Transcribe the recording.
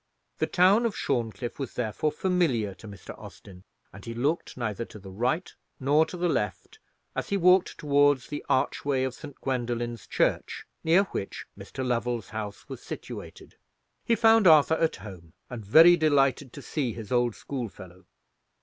The town of Shorncliffe was therefore familiar to Mr. Austin; and he looked neither to the right nor to the left as he walked towards the archway of St. Gwendoline's Church, near which Mr. Lovell's house was situated. He found Arthur at home, and very delighted to see his old schoolfellow.